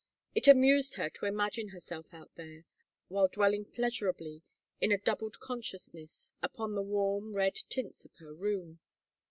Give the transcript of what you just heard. It amused her to imagine herself out there, while dwelling pleasurably, in a doubled consciousness, upon the warm red tints of her room.